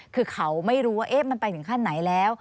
คือเขาไม่รู้ว่ามันไปถึงขั้นไหนแล้ว